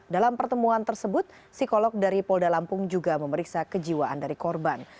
dalam pertemuan tersebut psikolog dari polda lampung juga memeriksa kejiwaan dari korban